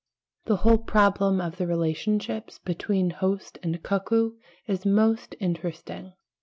The whole problem of the relationships between host and cuckoo is most interesting.